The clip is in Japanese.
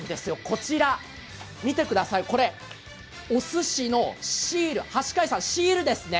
こちら、見てください、これおすしのシール、橋階さん、シールですね？